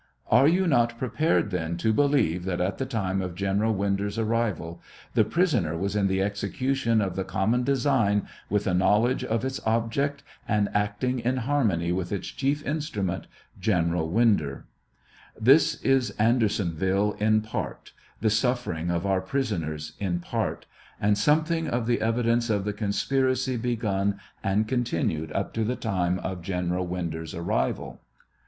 Are you not prepared then to believe that at the time of General Winder's arrival the prisoner was in the execution of the common design, with a knowledge of its object, and acting in harmony with its chief instrument, Gen ■eral Winder 1 This is Andersonville in part, the sufferings of our prisoners in part, and some thing of the evidence of the conspiracy begun and continued up to the time of General Winder's arrival.